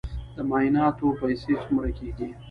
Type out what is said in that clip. د معایناتو پیسې څومره کیږي؟